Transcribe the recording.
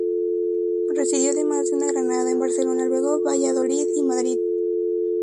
Residió además de en Granada, en Barcelona, Lugo, Valladolid y Madrid.